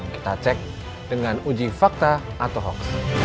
kita cek dengan uji fakta atau hoax